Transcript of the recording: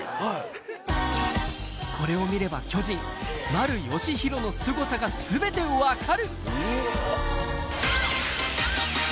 これを見れば、巨人、丸佳浩のすごさがすべて分かる。